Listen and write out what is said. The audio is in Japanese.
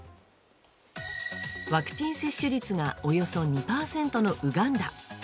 ワクチン接種率がおよそ２％のウガンダ。